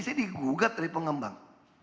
saya digugat dari pengembang